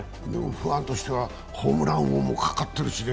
不安としてはホームラン王もかかってるしね。